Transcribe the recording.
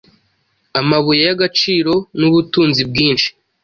Amabuye yagaciro nubutunzibwinshi